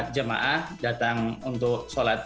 jemaah datang untuk sholat